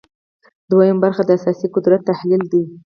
دویمه برخه د سیاسي قدرت تحلیل دی.